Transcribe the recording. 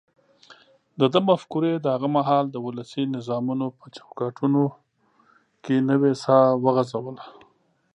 دده مفکورې د هغه مهال د ولسي نظمونو په چوکاټونو کې نوې ساه وغځوله.